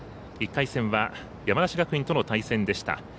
１回戦は、山梨学院との対戦でした。